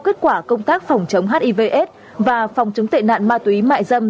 kết quả công tác phòng chống hiv aids và phòng chống tệ nạn ma túy mại dâm